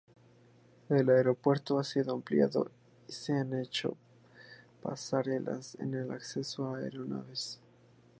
El aeropuerto ha sido ampliado y se han hecho pasarelas de acceso a aeronaves.